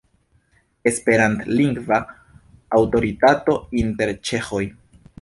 Esperantlingva aŭtoritato inter ĉeĥoj.